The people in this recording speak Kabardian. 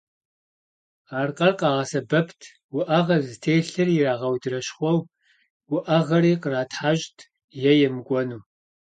Аркъэр къагъэсэбэпт уӏэгъэ зытелъыр ирагъэудэращхъуэу, уӏэгъэри къратхьэщӏт е емыкӏуэну.